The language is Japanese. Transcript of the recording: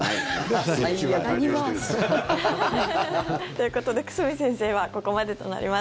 ダニ回し。ということで、久住先生はここまでとなります。